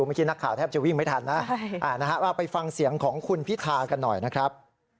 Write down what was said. เมื่อกี้นักข่าวแทบจะวิ่งไม่ทันนะเราไปฟังเสียงของคุณพิธากันหน่อยนะครับ